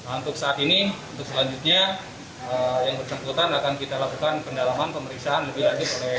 untuk saat ini untuk selanjutnya